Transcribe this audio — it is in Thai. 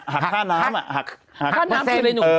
หักค่าน้ำอะ